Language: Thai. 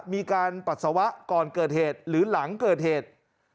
ปัสสาวะก่อนเกิดเหตุหรือหลังเกิดเหตุ